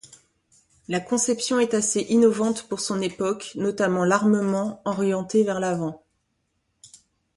La conception est assez innovante pour son époque, notamment l'armement orienté vers l'avant.